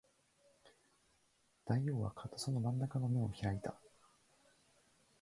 大王はかっとその真ん丸の眼を開いた